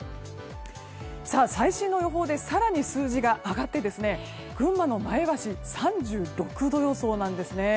最新の予報で更に数字が上がって群馬の前橋３６度予想なんですね。